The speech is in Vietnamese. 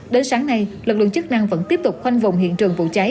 đến sáng nay lực lượng chức năng vẫn tiếp tục khoanh vùng hiện trường vụ cháy